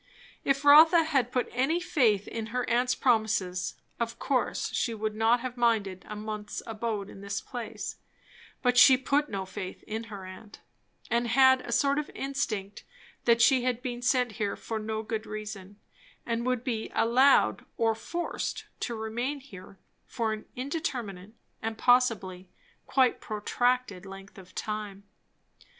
If Rotha had put any faith in her aunt's promises, of course she would not have minded a month's abode in this place; but she put no faith in her aunt, and had a sort of instinct that she had been sent here for no good reason, and would be allowed, or forced, to remain here for an indeterminate and possibly quite protracted length of time.